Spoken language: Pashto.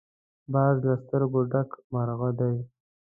باز له سترګو ډک مرغه دی